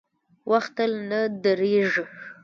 • وخت تل نه درېږي.